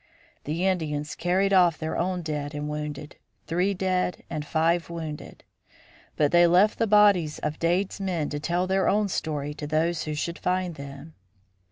The Indians carried off their own dead and wounded three dead and five wounded. But they left the bodies of Dade's men to tell their own story to those who should find them.